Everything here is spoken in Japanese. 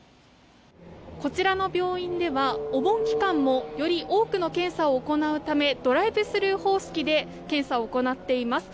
こちらの病院ではお盆期間もより多くの検査を行うためドライブスルー方式で検査を行っています。